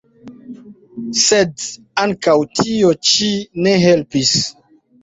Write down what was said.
Sed ankaŭ tio ĉi ne helpis.